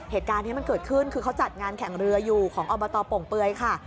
เหตุการณ์นี้มันเกิดขึ้นคือเขาจัดงานแข่งเรืออยู่ของอบตโป่งเปลือยค่ะ